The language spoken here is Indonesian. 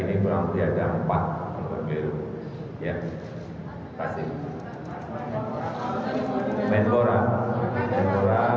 ini berarti ada empat rakyat baru